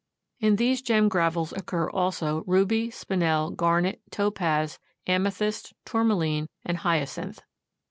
In these gem gravels occur also ruby, spinel, garnet, topaz, amethyst, tourmaline and hyacinth.